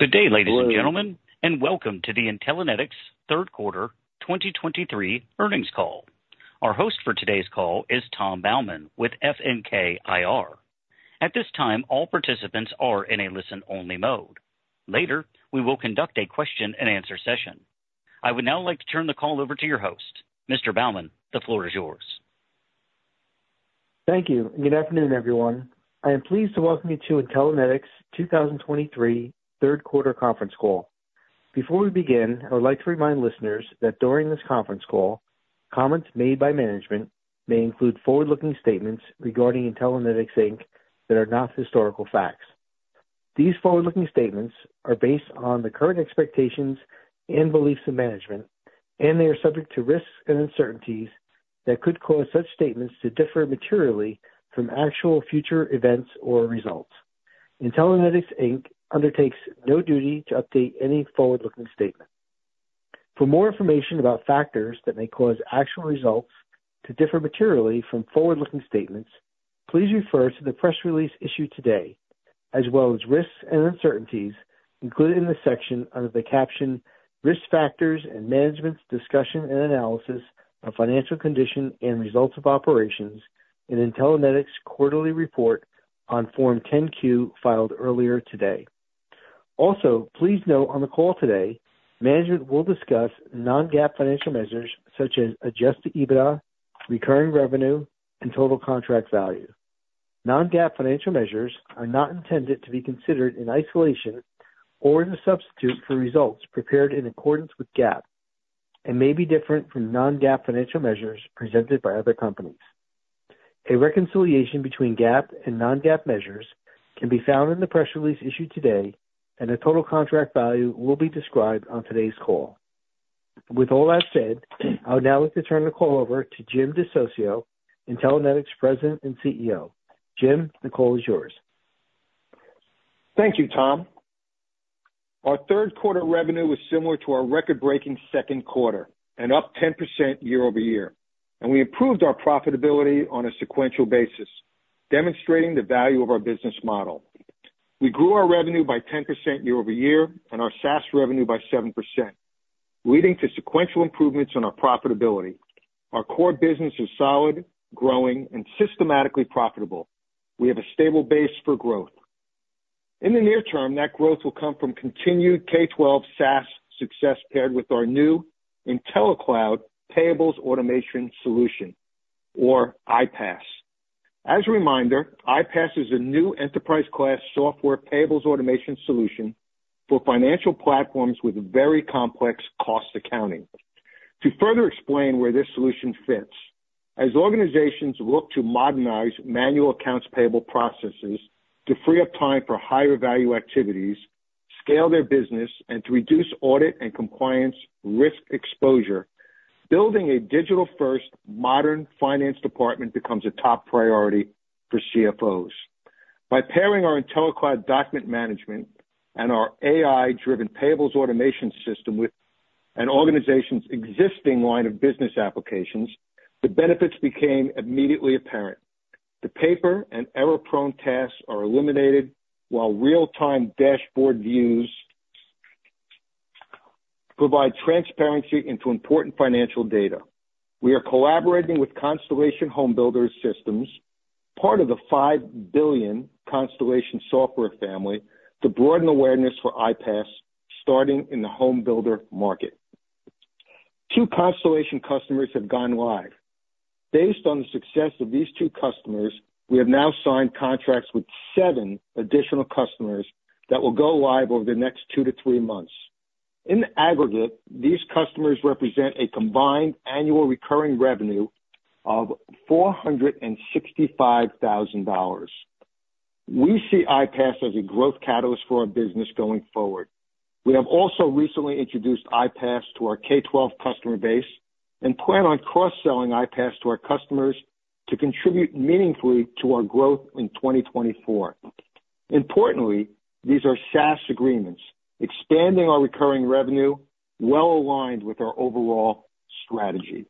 Good day, ladies and gentlemen, and welcome to the Intellinetics third quarter 2023 earnings call. Our host for today's call is Tom Baumann with FNK IR. At this time, all participants are in a listen-only mode. Later, we will conduct a question-and-answer session. I would now like to turn the call over to your host. Mr. Baumann, the floor is yours. Thank you, and good afternoon, everyone. I am pleased to welcome you to Intellinetics' 2023 third quarter conference call. Before we begin, I would like to remind listeners that during this conference call, comments made by management may include forward-looking statements regarding Intellinetics, Inc. that are not historical facts. These forward-looking statements are based on the current expectations and beliefs of management, and they are subject to risks and uncertainties that could cause such statements to differ materially from actual future events or results. Intellinetics, Inc. undertakes no duty to update any forward-looking statement. For more information about factors that may cause actual results to differ materially from forward-looking statements, please refer to the press release issued today, as well as risks and uncertainties included in the section under the caption Risk Factors and Management's Discussion and Analysis of Financial Condition and Results of Operations in Intellinetics' quarterly report on Form 10-Q filed earlier today. Also, please note on the call today, management will discuss non-GAAP financial measures such as adjusted EBITDA, recurring revenue, and total contract value. Non-GAAP financial measures are not intended to be considered in isolation or as a substitute for results prepared in accordance with GAAP and may be different from non-GAAP financial measures presented by other companies. A reconciliation between GAAP and non-GAAP measures can be found in the press release issued today, and the total contract value will be described on today's call. With all that said, I would now like to turn the call over to Jim DeSocio, Intellinetics President and CEO. Jim, the call is yours. Thank you, Tom. Our third quarter revenue was similar to our record-breaking second quarter and up 10% year-over-year, and we improved our profitability on a sequential basis, demonstrating the value of our business model. We grew our revenue by 10% year-over-year and our SaaS revenue by 7%, leading to sequential improvements in our profitability. Our core business is solid, growing, and systematically profitable. We have a stable base for growth. In the near term, that growth will come from continued K-12 SaaS success, paired with our new IntelliCloud Payables Automation Solution, or IPAS. As a reminder, IPAS is a new enterprise-class software payables automation solution for financial platforms with very complex cost accounting. To further explain where this solution fits, as organizations look to modernize manual accounts payable processes to free up time for higher value activities, scale their business, and to reduce audit and compliance risk exposure, building a digital-first modern finance department becomes a top priority for CFOs. By pairing our IntelliCloud document management and our AI-driven payables automation system with an organization's existing line of business applications, the benefits became immediately apparent. The paper and error-prone tasks are eliminated, while real-time dashboard views provide transparency into important financial data. We are collaborating with Constellation HomeBuilder Systems, part of the $5 billion Constellation Software family, to broaden awareness for IPAS, starting in the home builder market. Two Constellation customers have gone live. Based on the success of these two customers, we have now signed contracts with seven additional customers that will go live over the next two to three months. In aggregate, these customers represent a combined annual recurring revenue of $465,000. We see IPAS as a growth catalyst for our business going forward. We have also recently introduced IPAS to our K-12 customer base and plan on cross-selling IPAS to our customers to contribute meaningfully to our growth in 2024. Importantly, these are SaaS agreements, expanding our recurring revenue, well aligned with our overall strategy.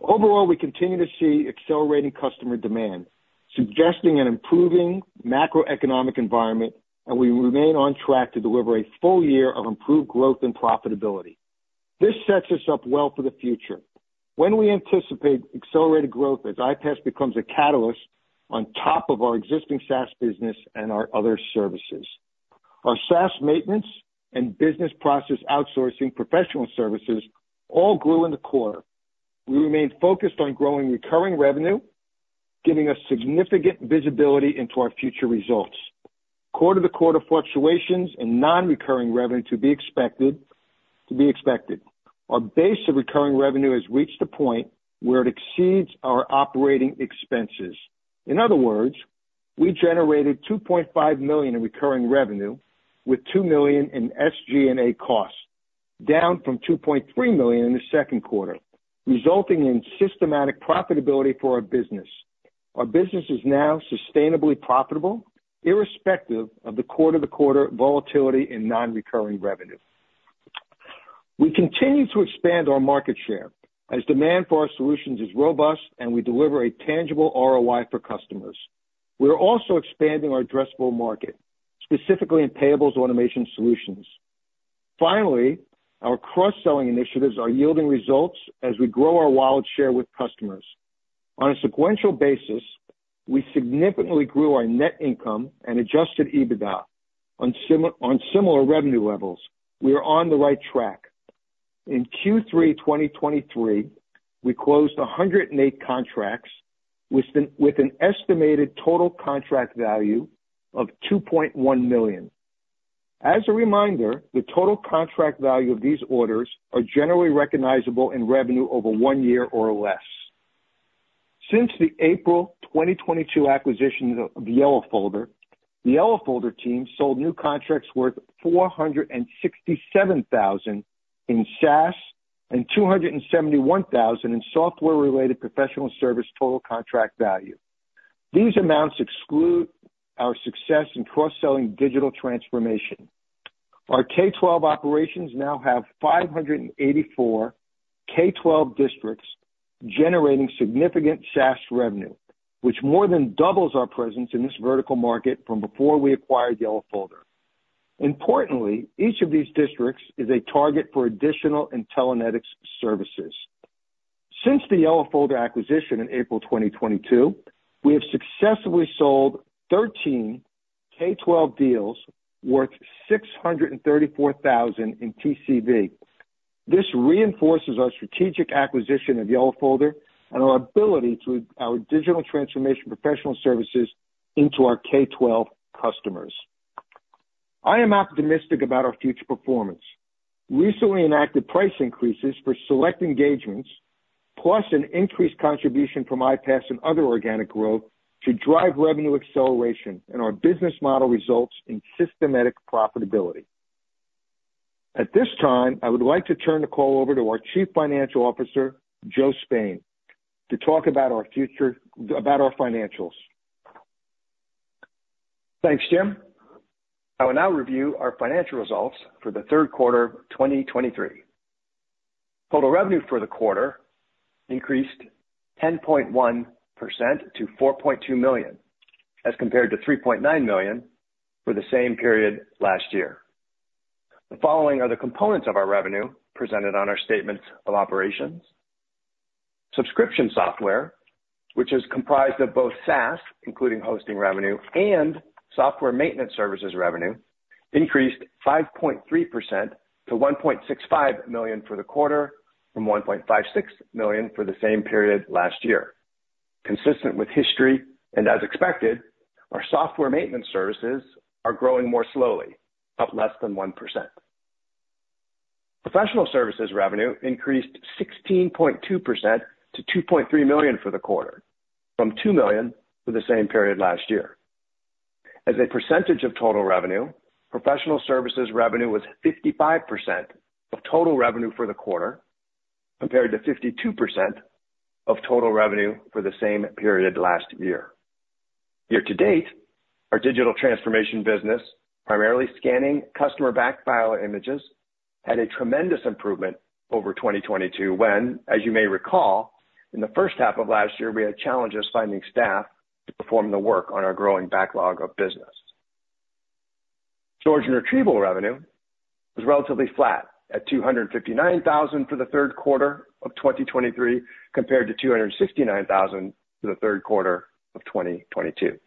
Overall, we continue to see accelerating customer demand, suggesting an improving macroeconomic environment, and we remain on track to deliver a full year of improved growth and profitability. This sets us up well for the future when we anticipate accelerated growth as IPAS becomes a catalyst on top of our existing SaaS business and our other services. Our SaaS maintenance and business process outsourcing professional services all grew in the quarter. We remain focused on growing recurring revenue, giving us significant visibility into our future results. Quarter-to-quarter fluctuations and non-recurring revenue to be expected, to be expected. Our base of recurring revenue has reached a point where it exceeds our operating expenses. In other words, we generated $2.5 million in recurring revenue with $2 million in SG&A costs, down from $2.3 million in the second quarter, resulting in systematic profitability for our business. Our business is now sustainably profitable, irrespective of the quarter-to-quarter volatility in non-recurring revenue... We continue to expand our market share as demand for our solutions is robust, and we deliver a tangible ROI for customers. We are also expanding our addressable market, specifically in payables automation solutions. Finally, our cross-selling initiatives are yielding results as we grow our wallet share with customers. On a sequential basis, we significantly grew our net income and adjusted EBITDA on similar revenue levels. We are on the right track. In Q3 2023, we closed 108 contracts, with an estimated total contract value of $2.1 million. As a reminder, the total contract value of these orders are generally recognizable in revenue over one year or less. Since the April 2022 acquisition of YellowFolder, the YellowFolder team sold new contracts worth $467,000 in SaaS and $271,000 in software-related professional service total contract value. These amounts exclude our success in cross-selling digital transformation. Our K-12 operations now have 584 K-12 districts, generating significant SaaS revenue, which more than doubles our presence in this vertical market from before we acquired YellowFolder. Importantly, each of these districts is a target for additional Intellinetics services. Since the YellowFolder acquisition in April 2022, we have successfully sold 13 K-12 deals worth $634,000 in TCV. This reinforces our strategic acquisition of YellowFolder and our ability to our digital transformation professional services into our K-12 customers. I am optimistic about our future performance. Recently enacted price increases for select engagements, plus an increased contribution from IPAS and other organic growth, should drive revenue acceleration, and our business model results in systematic profitability. At this time, I would like to turn the call over to our Chief Financial Officer, Joe Spain, to talk about our financials. Thanks, Jim. I will now review our financial results for the third quarter of 2023. Total revenue for the quarter increased 10.1% to $4.2 million, as compared to $3.9 million for the same period last year. The following are the components of our revenue presented on our statements of operations. Subscription software, which is comprised of both SaaS, including hosting revenue and software maintenance services revenue, increased 5.3% to $1.65 million for the quarter, from $1.56 million for the same period last year. Consistent with history and as expected, our software maintenance services are growing more slowly, up less than 1%. Professional services revenue increased 16.2% to $2.3 million for the quarter, from $2 million for the same period last year. As a percentage of total revenue, professional services revenue was 55% of total revenue for the quarter, compared to 52% of total revenue for the same period last year. Year to date, our digital transformation business, primarily scanning customer backfile images, had a tremendous improvement over 2022, when, as you may recall, in the first half of last year, we had challenges finding staff to perform the work on our growing backlog of business. Storage and retrieval revenue was relatively flat at $259,000 for the third quarter of 2023, compared to $269,000 for the third quarter of 2022.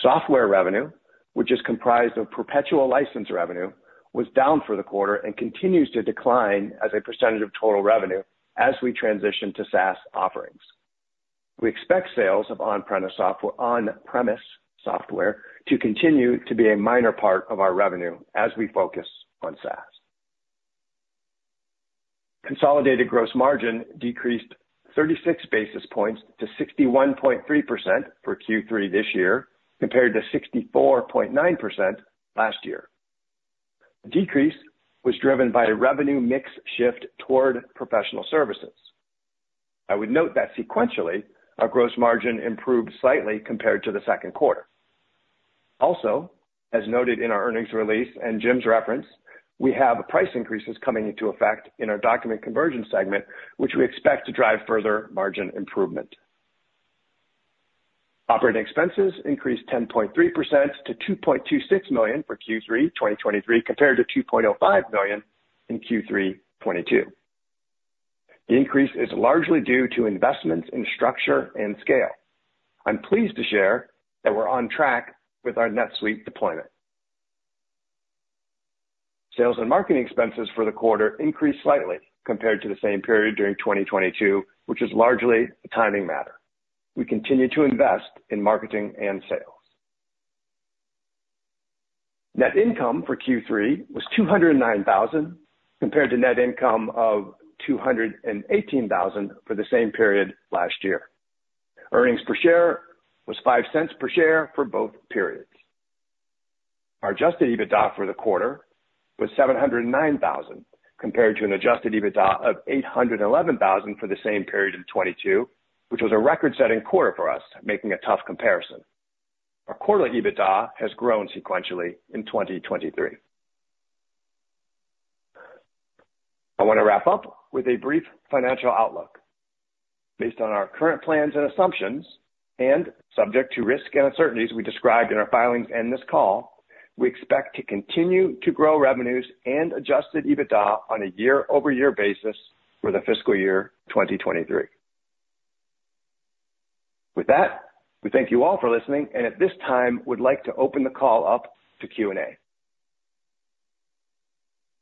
Software revenue, which is comprised of perpetual license revenue, was down for the quarter and continues to decline as a percentage of total revenue as we transition to SaaS offerings. We expect sales of on-premise software to continue to be a minor part of our revenue as we focus on SaaS. Consolidated gross margin decreased 36 basis points to 61.3% for Q3 this year, compared to 64.9% last year. The decrease was driven by a revenue mix shift toward professional services. I would note that sequentially, our gross margin improved slightly compared to the second quarter. Also, as noted in our earnings release and Jim's reference, we have price increases coming into effect in our document conversion segment, which we expect to drive further margin improvement. Operating expenses increased 10.3% to $2.26 million for Q3 2023, compared to $2.05 million in Q3 2022. The increase is largely due to investments in structure and scale. I'm pleased to share that we're on track with our NetSuite deployment. Sales and marketing expenses for the quarter increased slightly compared to the same period during 2022, which is largely a timing matter. We continue to invest in marketing and sales. Net income for Q3 was $209,000, compared to net income of $218,000 for the same period last year. Earnings per share was $0.05 per share for both periods. Our adjusted EBITDA for the quarter was $709,000, compared to an adjusted EBITDA of $811,000 for the same period in 2022, which was a record-setting quarter for us, making a tough comparison.... Our quarterly EBITDA has grown sequentially in 2023. I want to wrap up with a brief financial outlook. Based on our current plans and assumptions, and subject to risks and uncertainties we described in our filings and this call, we expect to continue to grow revenues and adjusted EBITDA on a year-over-year basis for the fiscal year 2023. With that, we thank you all for listening, and at this time, would like to open the call up to Q&A.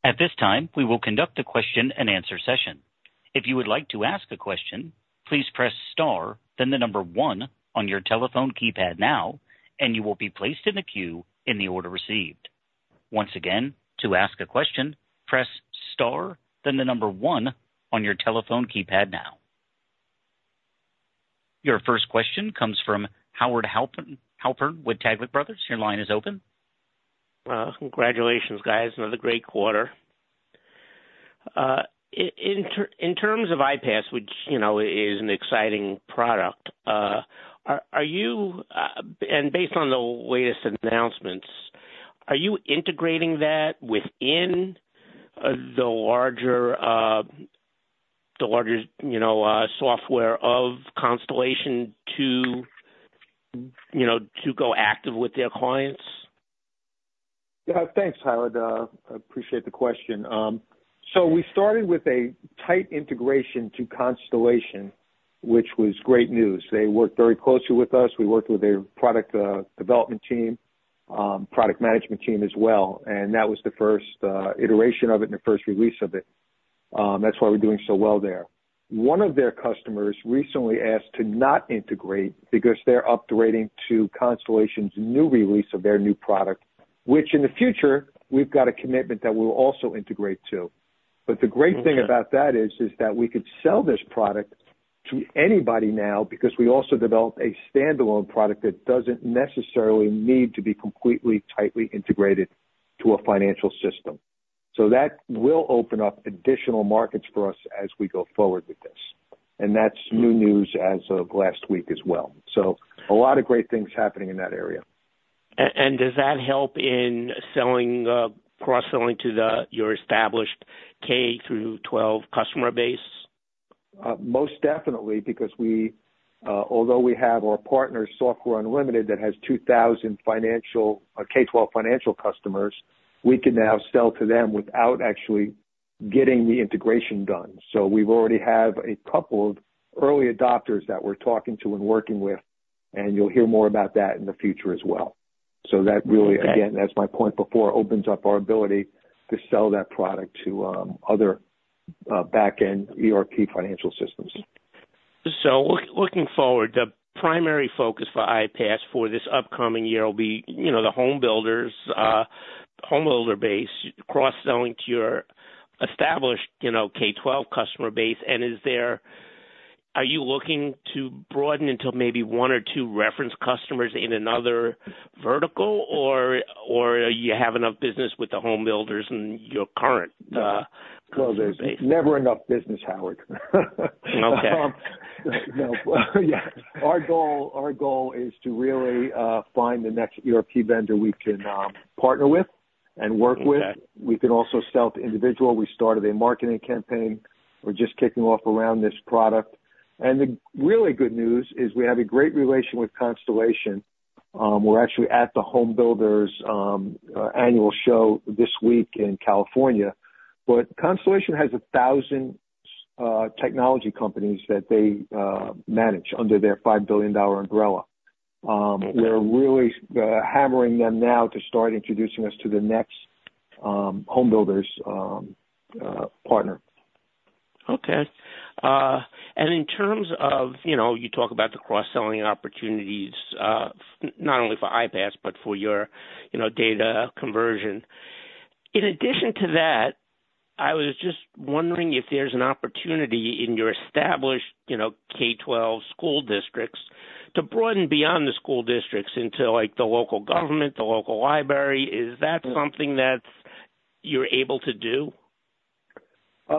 At this time, we will conduct a question-and-answer session. If you would like to ask a question, please press star, then the number one on your telephone keypad now, and you will be placed in a queue in the order received. Once again, to ask a question, press star, then the number one on your telephone keypad now. Your first question comes from Howard Halpern, Halpern with Taglich Brothers. Your line is open. Well, congratulations, guys. Another great quarter. In terms of IPAS, which, you know, is an exciting product, are you... And based on the latest announcements, are you integrating that within the larger software of Constellation to, you know, to go active with their clients? Yeah. Thanks, Howard. I appreciate the question. So we started with a tight integration to Constellation, which was great news. They worked very closely with us. We worked with their product development team, product management team as well, and that was the first iteration of it and the first release of it. That's why we're doing so well there. One of their customers recently asked to not integrate because they're upgrading to Constellation's new release of their new product, which in the future, we've got a commitment that we'll also integrate to. Okay. But the great thing about that is, is that we could sell this product to anybody now because we also developed a standalone product that doesn't necessarily need to be completely, tightly integrated to a financial system. So that will open up additional markets for us as we go forward with this. And that's new news as of last week as well. So a lot of great things happening in that area. Does that help in selling cross-selling to your established K-12 customer base? Most definitely, because we, although we have our partner, Software Unlimited, that has 2,000 financial, K-12 financial customers, we can now sell to them without actually getting the integration done. So we've already have a couple of early adopters that we're talking to and working with, and you'll hear more about that in the future as well. Okay. That really, again, as my point before, opens up our ability to sell that product to other backend ERP financial systems. Looking forward, the primary focus for IPAS for this upcoming year will be, you know, the home builders, homebuilder base, cross-selling to your established, you know, K-12 customer base. And are you looking to broaden into maybe one or two reference customers in another vertical, or you have enough business with the home builders in your current customer base? Well, there's never enough business, Howard. Okay. Yeah. Our goal, our goal is to really find the next ERP vendor we can partner with and work with. Okay. We can also sell to individual. We started a marketing campaign. We're just kicking off around this product. The really good news is we have a great relation with Constellation. We're actually at the Home Builders annual show this week in California. Constellation has 1,000 technology companies that they manage under their $5 billion umbrella. We're really hammering them now to start introducing us to the next homebuilders partner. Okay. And in terms of, you know, you talk about the cross-selling opportunities, not only for IPAS, but for your, you know, data conversion. In addition to that, I was just wondering if there's an opportunity in your established, you know, K-12 school districts to broaden beyond the school districts into, like, the local government, the local library. Is that something that's you're able to do?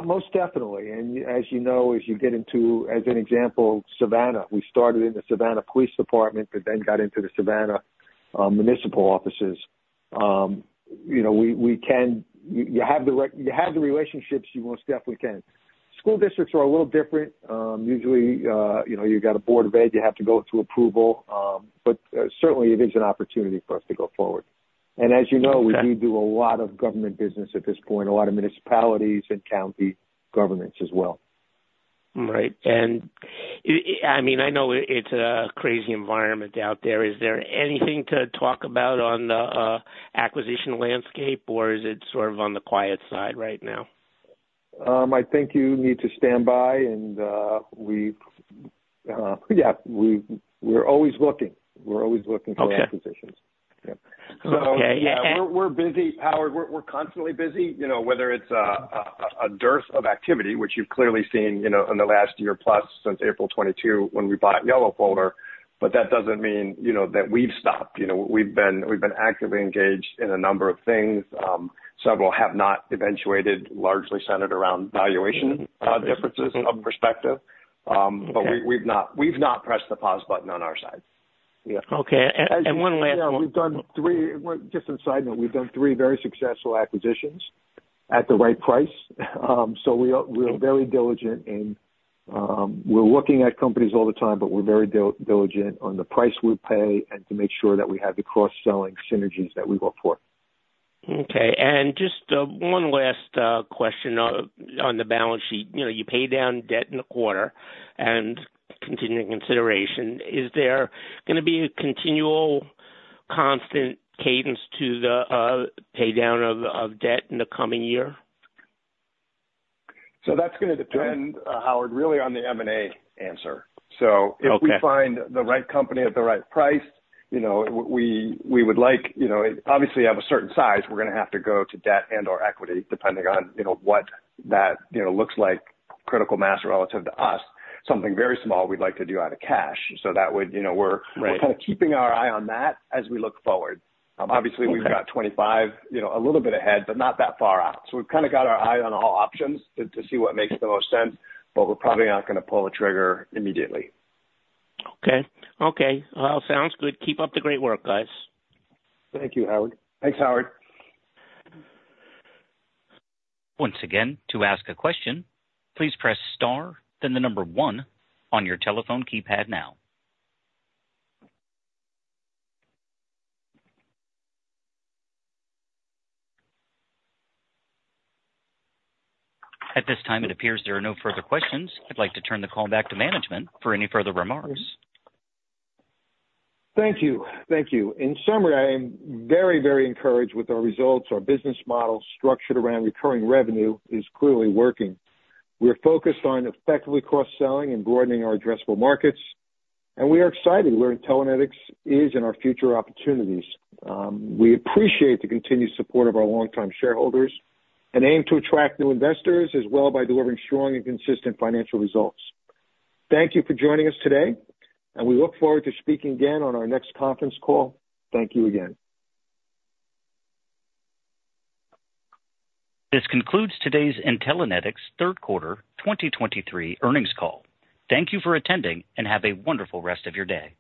Most definitely, and as you know, as you get into, as an example, Savannah, we started in the Savannah Police Department but then got into the Savannah municipal offices. You know, we can. You have the relationships, you most definitely can. School districts are a little different. Usually, you know, you've got a board of ed, you have to go through approval, but certainly it is an opportunity for us to go forward. Okay. As you know, we do a lot of government business at this point, a lot of municipalities and county governments as well. Right. And I mean, I know it's a crazy environment out there. Is there anything to talk about on the acquisition landscape, or is it sort of on the quiet side right now? I think you need to stand by, and we're always looking. We're always looking for acquisitions. Okay. Yeah. Okay, yeah, and- We're busy, Howard. We're constantly busy, you know, whether it's a dearth of activity, which you've clearly seen, you know, in the last year plus since April 2022, when we bought YellowFolder. But that doesn't mean, you know, that we've stopped. You know, we've been actively engaged in a number of things. Several have not eventuated, largely centered around valuation differences of perspective. Mm-hmm. Um- Okay. but we've not pressed the pause button on our side. Yeah. Okay, and one last one- Yeah, we've done three... Just a side note. We've done three very successful acquisitions.... at the right price. So we are, we're very diligent in, we're looking at companies all the time, but we're very diligent on the price we pay and to make sure that we have the cross-selling synergies that we look for. Okay. And just, one last, question on, on the balance sheet. You know, you paid down debt in the quarter and continuing consideration, is there gonna be a continual constant cadence to the, pay down of, of debt in the coming year? So that's gonna depend, Howard, really on the M&A answer. Okay. So if we find the right company at the right price, you know, we would like, you know, obviously have a certain size. We're gonna have to go to debt and/or equity, depending on, you know, what that, you know, looks like critical mass relative to us. Something very small, we'd like to do out of cash. So that would, you know, we're- Right. kind of keeping our eye on that as we look forward. Okay. Obviously, we've got 25, you know, a little bit ahead, but not that far out. So we've kind of got our eye on all options to see what makes the most sense, but we're probably not gonna pull the trigger immediately. Okay. Okay. Well, sounds good. Keep up the great work, guys. Thank you, Howard. Thanks, Howard. Once again, to ask a question, please press star, then the number one on your telephone keypad now. At this time, it appears there are no further questions. I'd like to turn the call back to management for any further remarks. Thank you. Thank you. In summary, I am very, very encouraged with our results. Our business model structured around recurring revenue is clearly working. We're focused on effectively cross-selling and broadening our addressable markets, and we are excited where Intellinetics is in our future opportunities. We appreciate the continued support of our longtime shareholders and aim to attract new investors as well by delivering strong and consistent financial results. Thank you for joining us today, and we look forward to speaking again on our next conference call. Thank you again. This concludes today's Intellinetics third quarter 2023 earnings call. Thank you for attending, and have a wonderful rest of your day.